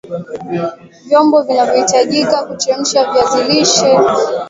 vyombo vinavyohitajika kuchemsha viazi lishe